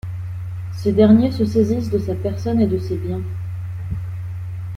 Ces derniers se saisissent de sa personne et de ses biens.